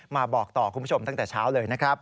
มาบอกต่อคุณผู้ชมตั้งแต่เช้าเลยนะครับ